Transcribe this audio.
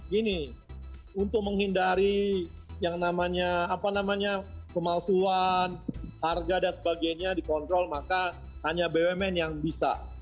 gini untuk menghindari yang namanya apa namanya pemalsuan harga dan sebagainya dikontrol maka hanya bumn yang bisa